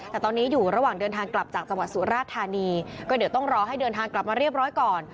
แต่ตอนนี้อยู่ระหว่างเดินทางกลับจากจังหวัดสุราธานีก็เดี๋ยวต้องรอให้เดินทางกลับมาเรียบร้อยก่อน